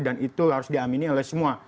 dan itu harus diaminin oleh semua